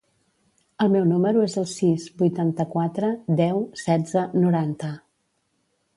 El meu número es el sis, vuitanta-quatre, deu, setze, noranta.